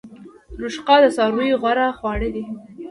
رشقه د څارویو غوره خواړه دي